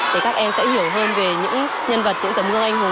để các em sẽ hiểu hơn về những nhân vật những tầm ngương anh hùng